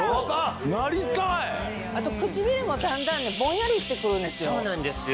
あと唇もだんだんねボンヤリしてくるんですよ。そうなんですよ。